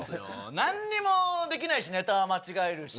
何にもできないしネタは間違えるし。